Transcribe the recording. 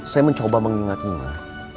saya mencoba mengingatnya